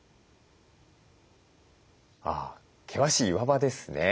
あ険しい岩場ですね。